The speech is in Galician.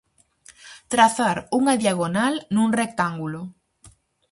Trazar unha diagonal nun rectángulo.